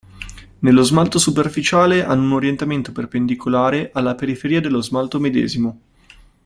Nello smalto superficiale hanno un orientamento perpendicolare alla periferia dello smalto medesimo.